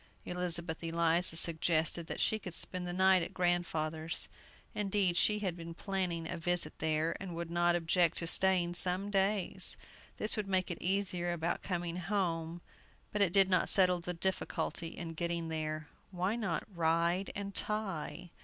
Elizabeth Eliza suggested that she could spend the night at grandfather's. Indeed, she had been planning a visit there, and would not object to staying some days. This would make it easier about coming home, but it did not settle the difficulty in getting there. Why not "Ride and Tie"?